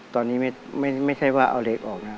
ตอนนี้ไม่ใช่ว่าเอาเหล็กออกนะ